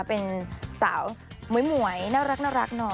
เป็นสาวหมวยน่ารักหน่อย